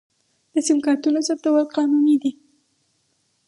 د سم کارتونو ثبت قانوني دی؟